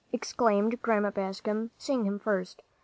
exclaimed Grandma Bascom, seeing him first.